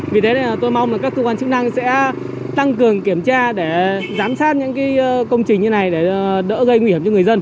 vì thế tôi mong là các cơ quan chức năng sẽ tăng cường kiểm tra để giám sát những công trình như này để đỡ gây nguy hiểm cho người dân